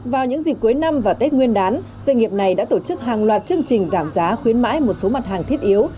vào những dịp cuối năm và tết nguyên đán doanh nghiệp này đã tổ chức hàng loạt chương trình giảm giá khuyến mãi một số mặt hàng thiết yếu